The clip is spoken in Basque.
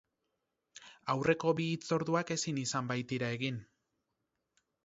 Aurreko bi hitzorduak ezin izan baitira egin.